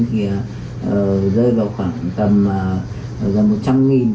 thì rơi vào khoảng tầm gần một trăm linh